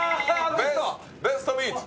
ベストミート！